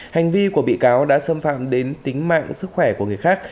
hành vi của bị cáo đã xâm phạm đến tính mạng sức khỏe của người khác